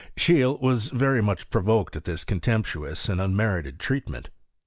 Seheele was very much provoked at this contemptuous and unmerited treatment.